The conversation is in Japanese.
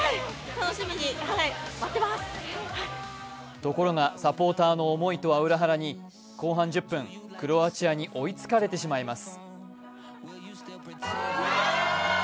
ところがサポーターの思いとは裏腹に後半１０分、クロアチアに追いつかれてしまいます。